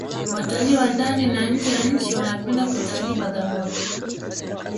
watalii wa ndani na nje ya nchi wanapenda kutalii bagamoyo